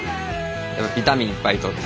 ビタミンいっぱいとって。